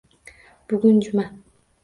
Bugun Juma.